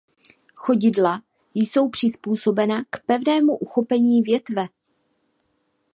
Chodidla jsou přizpůsobena k pevnému uchopení větve.